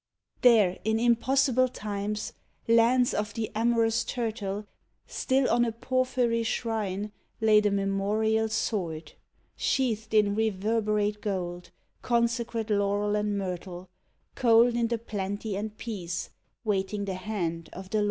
There in impossible times, lands of the amorous turtle, Still, on a porphyry shrine lay the memorial sword, Sheathed in reverberate gold, consecrate laurel and myrtle, Cold in the plenty and peace, waiting the hand of the Lord.